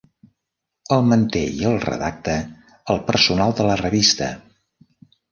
El manté i el redacta el personal de la revista.